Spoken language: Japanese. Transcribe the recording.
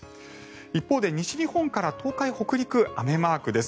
一方で西日本から東海、北陸は雨マークです。